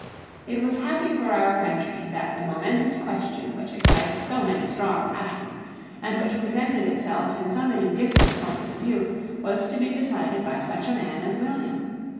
It was happy for our country that the momentous question which excited so many strong passions, and which presented itself in so many different points of view, was to be decided by such a man as William.